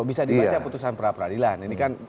bisa dibaca putusan peradilan